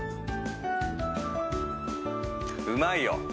うまいよ。